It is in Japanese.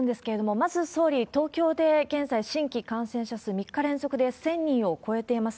まず総理、東京で現在、新規感染者数、３日連続で１０００人を超えています。